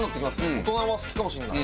大人は好きかもしれない。